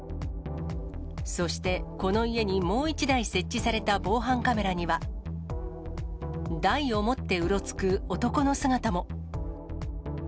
そして、この家にもう１台、設置された防犯カメラには、台を持ってうろつく男の姿も。